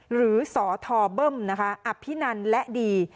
หรือสทเบิ้มนะคะอภินันและดี